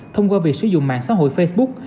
thông qua việc sử dụng mạng xã hội facebook